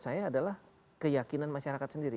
saya adalah keyakinan masyarakat sendiri